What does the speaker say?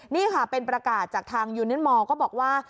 นี่ค่ะเป็นประกาศจากทางยูนินมอลก็บอกว่า